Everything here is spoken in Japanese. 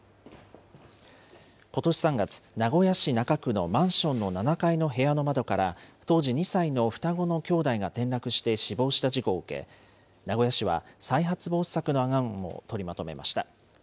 ことし３月、名古屋市中区のマンションの７階の部屋の窓から、当時２歳の双子の兄弟が転落して死亡した事故を受け、名古屋市は再発防止策の案を取りまとめました。